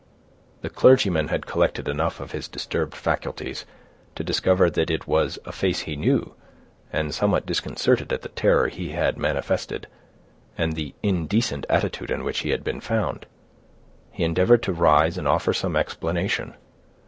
The clergyman had collected enough of his disturbed faculties, to discover that it was a face he knew, and somewhat disconcerted at the terror he had manifested, and the indecent attitude in which he had been found, he endeavored to rise and offer some explanation.